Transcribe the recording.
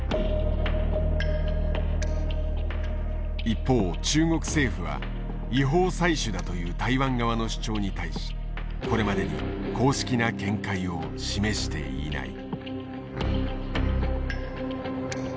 一方中国政府は違法採取だという台湾側の主張に対しこれまでに公式な見解を示していない。